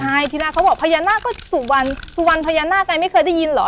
ใช่ที่แรกเขาบอกพญานาคก็สุวรรณสุวรรณพญานาคัยไม่เคยได้ยินเหรอ